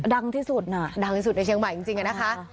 ดังที่สุดน่ะดังที่สุดในเชียงใหม่จริงอะนะคะ